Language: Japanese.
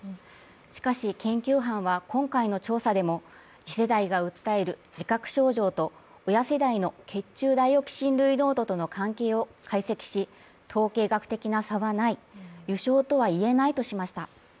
しかし研究班は今回の調査でも次世代が訴える自覚症状と親世代の血中ダイオキシン類濃度との関係を解析し、統計学的な差はない、油症とは言えないとしました。